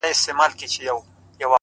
o ځوان د خپلي خولگۍ دواړي شونډي قلف کړې،